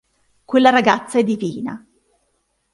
Quella ragazza è divina.